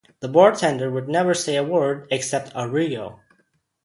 The bar tender would never say a word except Aru yo.